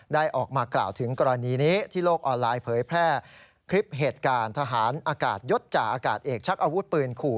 ได้ออกมากล่าวถึงกรณีนี้ที่โลกออนไลน์เผยแพร่คลิปเหตุการณ์ทหารอากาศยศจ่าอากาศเอกชักอาวุธปืนขู่